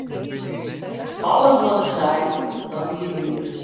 Alles wat er sei, dat wie wier.